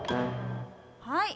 はい。